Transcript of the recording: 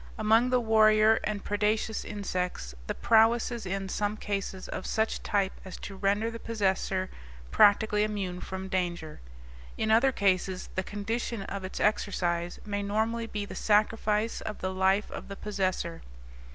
Among the warrior and predaceous insects the prowess is in some cases of such type as to render the possessor practically immune from danger. In other cases the condition of its exercise may normally be the sacrifice of the life of the possessor.